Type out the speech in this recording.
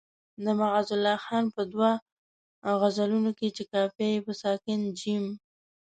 د معزالله خان په دوو غزلونو کې چې قافیه یې په ساکن جیم.